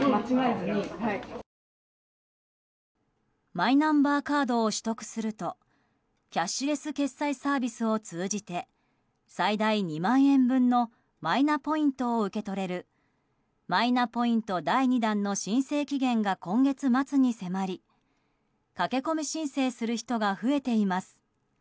マイナンバーカードを取得するとキャッシュレス決済サービスを通じて最大２万円分のマイナポイントを受け取れるマイナポイント第２弾の申請期限が今月末に迫り駆け込み申請する人が増えています。